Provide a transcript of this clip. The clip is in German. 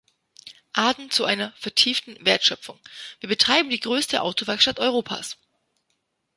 Aden zu seiner „Vertieften Wertschöpfung“: „Wir betreiben die größte Autowerkstatt Europas“.